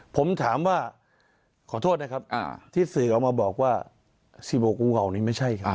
ผมถามว่าขอโทษนะครับที่สื่อออกมาบอกว่า๑๖งูเห่านี่ไม่ใช่ครับ